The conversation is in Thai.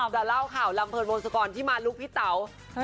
จะเล่าข่าวเริ่มลุงบนวงศักรณ์ที่มาลุกพี่เต๋า